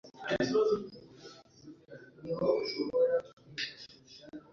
Umwami atonesha umugaragu w’umutima